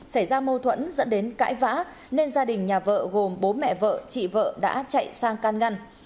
xảy ra mâu thuẫn dẫn đến cãi vã nên gia đình nhà vợ gồm bố mẹ vợ chị vợ đã chạy sang can ngăn